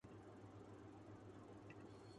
سچائی ہی جیتتی ہے